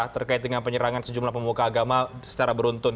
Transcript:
terkait dengan penyerangan sejumlah pemuka agama secara beruntun